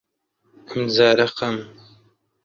ئەمجارە خەم